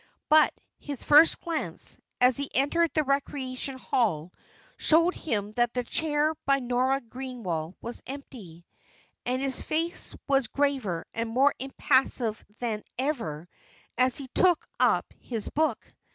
But his first glance, as he entered the Recreation Hall, showed him that the chair by Nora Greenwell was empty, and his face was graver and more impassive than ever as he took up his book.